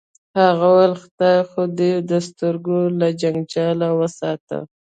هغه ویل خدای خو دې د سترګو له جنجاله وساته